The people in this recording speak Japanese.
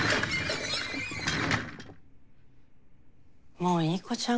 もういい子ちゃん